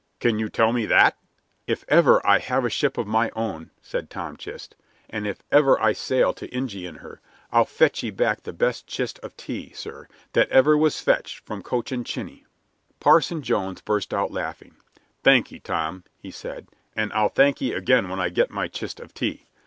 "Can you tell me that?" "If ever I have a ship of my own," said Tom Chist, "and if ever I sail to Injy in her, I'll fetch ye back the best chist of tea, sir, that ever was fetched from Cochin Chiny." Parson Jones burst out laughing. "Thankee, Tom," he said; "and I'll thankee again when I get my chist of tea.